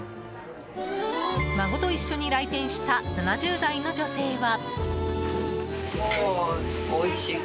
孫と一緒に来店した７０代の女性は。